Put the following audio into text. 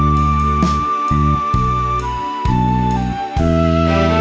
แล้วท่านตมราคาเกาะออกมาว่ะ